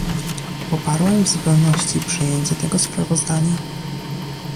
Poparłem w zupełności przyjęcie tego sprawozdania